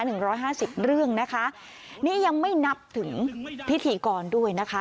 หนึ่งร้อยห้าสิบเรื่องนะคะนี่ยังไม่นับถึงพิธีกรด้วยนะคะ